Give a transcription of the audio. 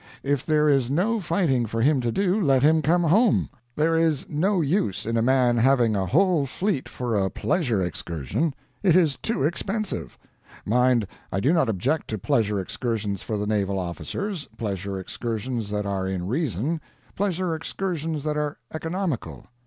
If there is no fighting for him to do, let him come home. There is no use in a man having a whole fleet for a pleasure excursion. It is too expensive. Mind, I do not object to pleasure excursions for the naval officers pleasure excursions that are in reason pleasure excursions that are economical.